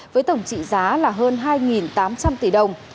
với tổng trị giá là hơn hai tám trăm linh tỷ đồng